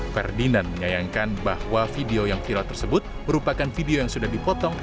ferdinand menyayangkan bahwa video yang viral tersebut merupakan video yang sudah dipotong